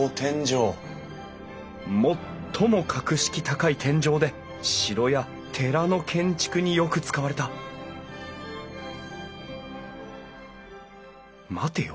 最も格式高い天井で城や寺の建築によく使われた待てよ。